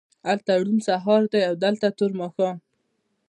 هلته روڼ سهار دی او دلته تور ماښام